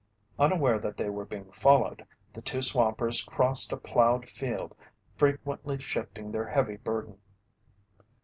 Unaware that they were being followed, the two swampers crossed a plowed field, frequently shifting their heavy burden.